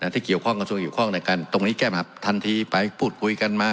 ที่เกี่ยวข้องกระทรวงเกี่ยวข้องในการตรงนี้แก้ปัญหาทันทีไปพูดคุยกันมา